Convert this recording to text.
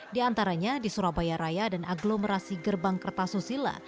diantaranya di surabaya raya dan agglomerasi gerbang kertasusila